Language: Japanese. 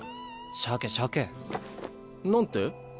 しゃけしゃけ。なんて？